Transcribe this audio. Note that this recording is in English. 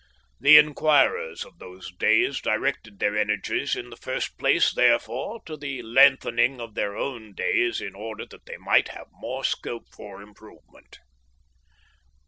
The inquirers of those days directed their energies in the first place, therefore, to the lengthening of their own days in order that they might have more scope for improvement.